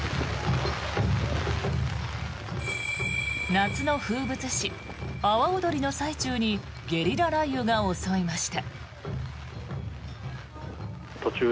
夏の風物詩、阿波踊りの最中にゲリラ雷雨が襲いました。